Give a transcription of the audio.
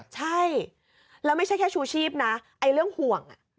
ใช่แล้วไม่ใช่แค่ชูชีพนะไอ้เรื่องห่วง